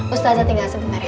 ustazah tinggal sebentar ya